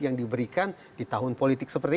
yang diberikan di tahun politik seperti